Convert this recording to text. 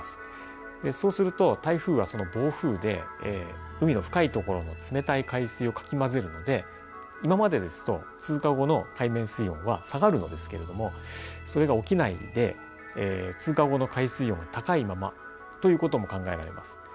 そうすると台風はその暴風で海の深いところの冷たい海水をかき混ぜるので今までですと通過後の海面水温は下がるのですけれどもそれが起きないで通過後の海水温が高いままということも考えられます。